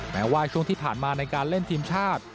แม้ว่าช่วงที่ผ่านมาในการเล่นทีมชาติ